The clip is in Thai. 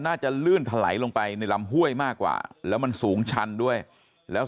ลื่นถลายลงไปในลำห้วยมากกว่าแล้วมันสูงชันด้วยแล้ว